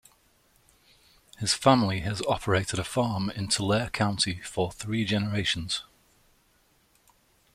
His family has operated a farm in Tulare County for three generations.